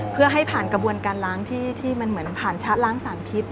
เพื่อให้ผ่านกระบวนการล้างที่มันเหมือนผ่านชะล้างสารพิษ